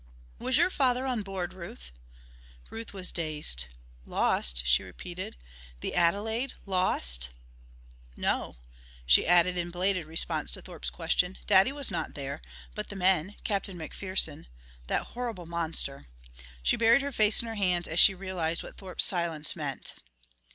"Was your father on board, Ruth?" Ruth was dazed. "Lost," she repeated. "The Adelaide lost!... No," she added in belated response to Thorpe's question. "Daddy was not there. But the men Captain MacPherson ... that horrible monster...." She buried her face in her hands as she realized what Thorpe's silence meant.